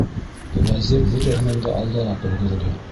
Вәзир бөтәһенән дә алдараҡ өлгөрҙө.